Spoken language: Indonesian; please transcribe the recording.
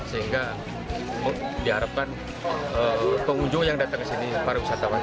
sehingga diharapkan pengunjung yang datang ke sini para wisatawan